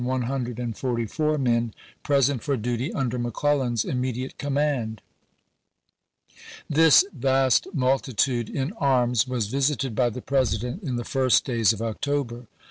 leaving 100,144 men present for duty under Mc ^p.^374!" Clellan's immediate command. This vast multi tude in arms was visited by the President in the fii'st days of October.